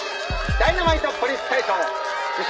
ダイナマイトポリス大賞受賞